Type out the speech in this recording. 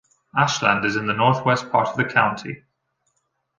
Ashland is in the northwest part of the county.